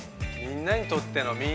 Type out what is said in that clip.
みんなにとっての。